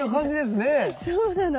そうなの。